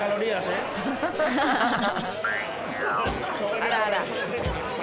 あらあら。